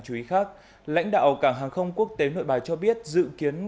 theo điều một trăm linh